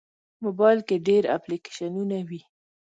موبایل کې ډېر اپلیکیشنونه وي.